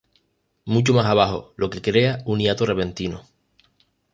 Mucho más abajo, lo que crea un hiato repentino.